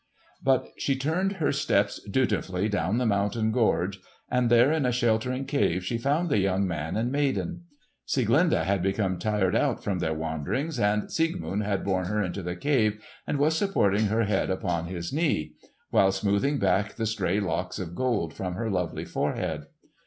But she turned her steps dutifully down the mountain gorge, and there in a sheltering cave she found the young man and maiden. Sieglinde had become tired out from their wanderings, and Siegmund had borne her into the cave and was supporting her head upon his knee, while smoothing back the stray locks of gold from her lovely forehead.